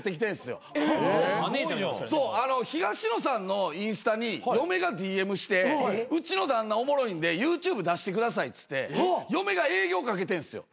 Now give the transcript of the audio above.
東野さんのインスタに嫁がＤＭしてうちの旦那おもろいんでＹｏｕＴｕｂｅ出してくださいっつって嫁が営業かけてんすよ。